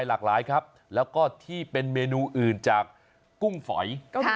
หลากหลายครับแล้วก็ที่เป็นเมนูอื่นจากกุ้งฝอย